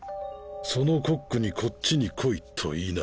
そのコックにこっちに来いと言いな。